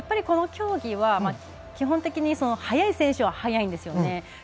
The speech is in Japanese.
この競技は基本的に早い選手は早いんですね。